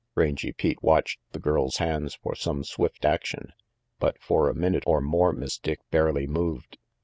Rangy Pete watched the girl's hands for some swift action, but for a minute or more Miss Dick barely moved.